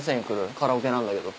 カラオケなんだけど。